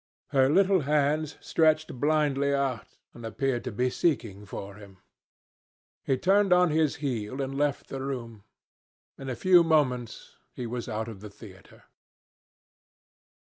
Her little hands stretched blindly out, and appeared to be seeking for him. He turned on his heel and left the room. In a few moments he was out of the theatre.